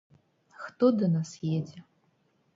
Хто да нас едзе?